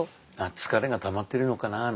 「疲れがたまってるのかなあ」